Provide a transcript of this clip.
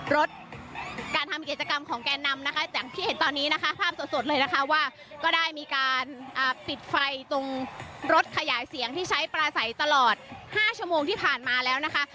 รถการทำกิจกรรมของแกนนำนะคะอย่างที่เห็นตอนนี้นะคะภาพสดเลยนะคะว่าก็ได้มีการปิดไฟตรงรถขยายเสียงที่ใช้ปลาใสตลอด๕ชั่วโมงที่ผ่านมาแล้วนะคะ